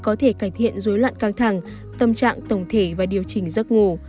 nó có thể giúp cải thiện dối loạn căng thẳng tâm trạng tổng thể và điều chỉnh giấc ngủ